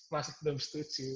masih belum setuju